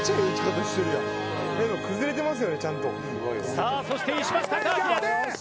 さあそして石橋貴明です！